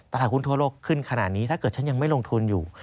ตลาดหุ้นทั่วโลกขึ้นขนาดนี้ถ้าเกิดฉันยังไม่ลงทุนอยู่